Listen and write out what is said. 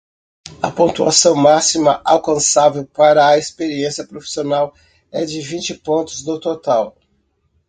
A pontuação máxima alcançável para a experiência profissional é de vinte pontos no total.